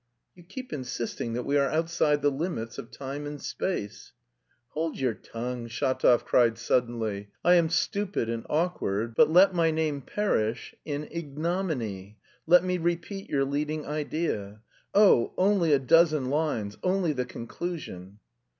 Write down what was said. "You keep insisting that we are outside the limits of time and space." "Hold your tongue!" Shatov cried suddenly. "I am stupid and awkward, but let my name perish in ignominy! Let me repeat your leading idea.... Oh, only a dozen lines, only the conclusion."